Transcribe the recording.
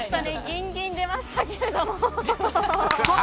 ギンギン出ましたけど。